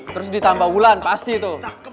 terus ditambah wulan pasti tuh